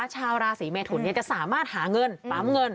ชาวราศีเมทุนจะสามารถหาเงินปั๊มเงิน